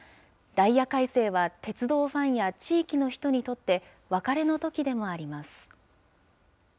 ダイヤ改正は鉄道ファンや地域の人にとって、別れのときでもあります。